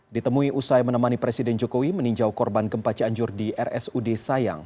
ditemui usai menemani presiden jokowi meninjau korban gempa cianjur di rsud sayang